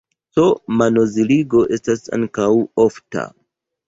C-manoziligo estas ankaŭ ofta.